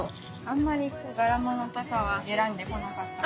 あんまり柄物とかは選んでこなかったんですけど。